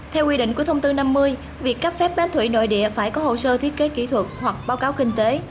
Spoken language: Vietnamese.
theo quy định của thông tư năm mươi việc cấp phép bán thủy nội địa phải có hồ sơ thiết kế kỹ thuật hoặc báo cáo kinh tế